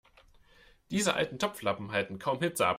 Diese alten Topflappen halten kaum Hitze ab.